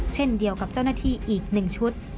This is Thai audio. เช่นเดียวกับเจ้าหน้าที่อีก๑ชุด